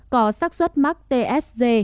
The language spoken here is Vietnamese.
có sắc xuất mắc tsd